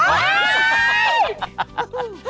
อย่างนี้